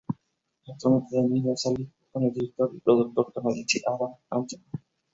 Actualmente Danielle sale con el director y productor canadiense, Adam Anthony.